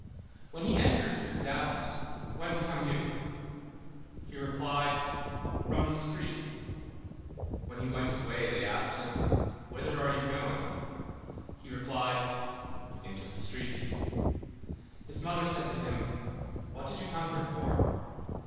When he entered, he was asked: "Whence come you?" He replied: "From the street." When he went away, they asked him: "Whither are you going?" He replied: "Into the streets." His mother said to him: "What did you come here for?"